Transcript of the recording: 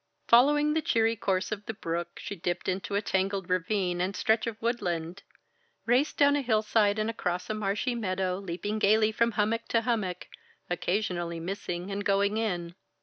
Following the cheery course of the brook, she dipped into a tangled ravine and stretch of woodland, raced down a hillside and across a marshy meadow, leaping gaily from hummock to hummock occasionally missing and going in.